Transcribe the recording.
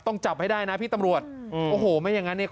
จับให้ได้นะพี่ตำรวจโอ้โหไม่อย่างงั้นเนี่ย